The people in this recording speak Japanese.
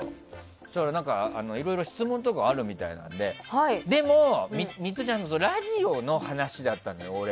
そしたらいろいろ質問とかあるみたいなのででも、ミトちゃんラジオの話だったんだよ